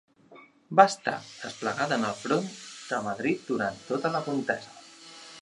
Va estar desplegada en el front de Madrid durant tota la contesa.